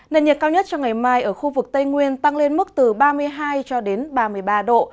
nền nhiệt cao nhất cho ngày mai ở khu vực tây nguyên tăng lên mức từ ba mươi hai cho đến ba mươi ba độ